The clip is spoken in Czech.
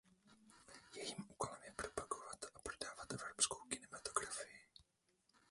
Jejím úkolem je propagovat a „prodávat“ evropskou kinematografii.